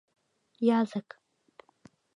— Язык!